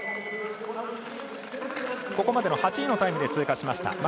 ここまでの８位のタイムで通過しました。